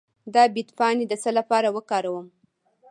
د بید پاڼې د څه لپاره وکاروم؟